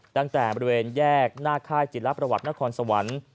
ตั้งแต่บริเวณแยกหน้าค่ายจิลประวัตินครสวรรค์